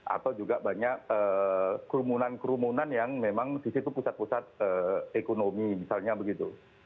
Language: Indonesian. atau juga banyak kerumunan kerumunan yang memang di situ pusat pusat ekonomi misalnya begitu